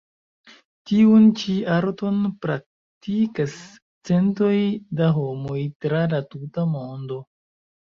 Tiun ĉi arton praktikas centoj da homoj tra la tuta mondo.